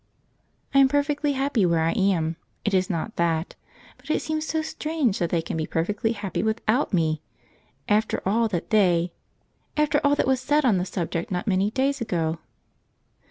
jpg} I am perfectly happy where I am; it is not that; but it seems so strange that they can be perfectly happy without me, after all that they after all that was said on the subject not many days ago.